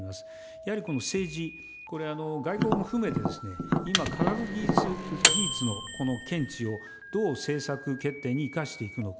やはり政治、これ、外国も含めて、今、科学技術のこの見地をどう政策決定に生かしていくのか。